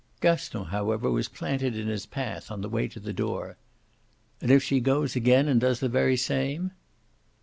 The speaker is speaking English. Gaston, however, was planted in his path on the way to the door. "And if she goes again and does the very same?"